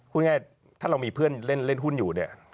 พูดง่ายถ้าเรามีเพื่อนเล่นหุ้นอยู่เนี่ย